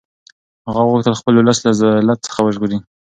هغه غوښتل خپل اولس له ذلت څخه وژغوري.